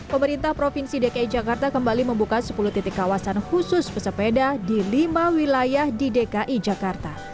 pemerintah provinsi dki jakarta kembali membuka sepuluh titik kawasan khusus pesepeda di lima wilayah di dki jakarta